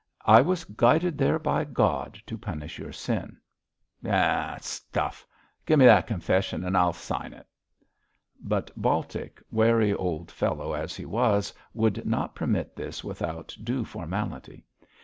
'I was guided there by God to punish your sin.' 'Yah! Stuff! Gimme that confession and I'll sign it.' But Baltic, wary old fellow as he was, would not permit this without due formality.